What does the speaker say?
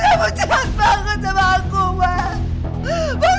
kamu cintamu sama aku mas